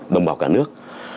đồng bào cả nước